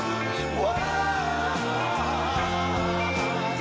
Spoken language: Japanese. お。